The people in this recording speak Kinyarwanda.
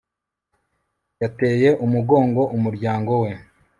yateye umugongo umuryango we